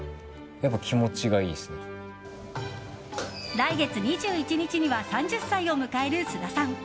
来月２１日には３０歳を迎える菅田さん。